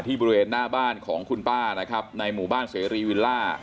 บริเวณหน้าบ้านของคุณป้านะครับในหมู่บ้านเสรีวิลล่า